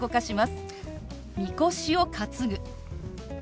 「みこしを担ぐ」。